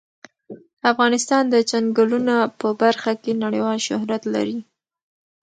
افغانستان د چنګلونه په برخه کې نړیوال شهرت لري.